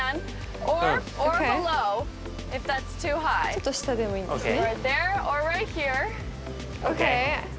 ちょっと下でもいいんですね。